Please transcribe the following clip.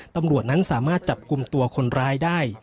ตำรวจนั้นสามารถจับกลุ่มตัวคนร้ายได้